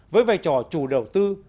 với vai trò chủ đầu tư